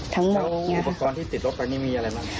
ต้องมองอุปกรณ์นี้มีอะไรมัก